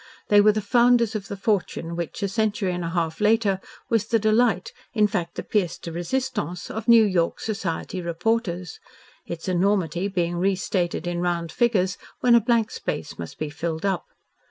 They were the founders of the fortune which a century and a half later was the delight in fact the piece de resistance of New York society reporters, its enormity being restated in round figures when a blank space must be filled up.